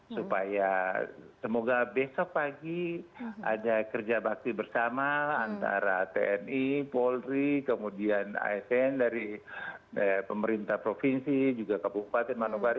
supaya semoga besok pagi ada kerja bakti bersama antara tni polri kemudian asn dari pemerintah provinsi juga kabupaten manokwari